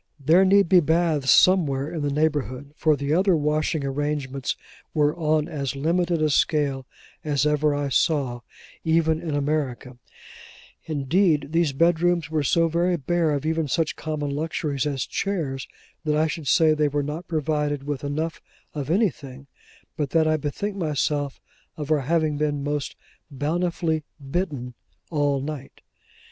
There need be baths somewhere in the neighbourhood, for the other washing arrangements were on as limited a scale as I ever saw, even in America: indeed, these bedrooms were so very bare of even such common luxuries as chairs, that I should say they were not provided with enough of anything, but that I bethink myself of our having been most bountifully bitten all night.